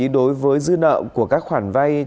đối với dư nợ của các khoản vai